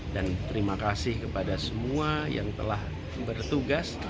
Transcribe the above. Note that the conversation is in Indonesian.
dan terima kasih kepada semua yang telah bertugas